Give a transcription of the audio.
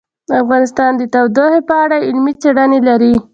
افغانستان د تودوخه په اړه علمي څېړنې لري.